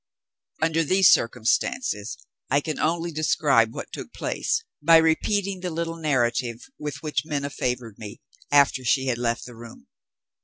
Under these circumstances, I can only describe what took place, by repeating the little narrative with which Minna favored me, after she had left the room.